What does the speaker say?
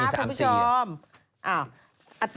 มี๓สีอ่ะพี่ผู้ชม